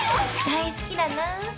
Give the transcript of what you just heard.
大好きだなあ。